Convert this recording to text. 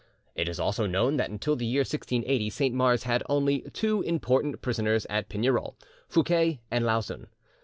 It is also known that until the year 1680 Saint Mars had only two important prisoners at Pignerol, Fouquet and Lauzun.